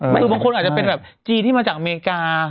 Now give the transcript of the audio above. คือบางคนอาจจะเป็นแบบจีนที่มาจากอเมริกา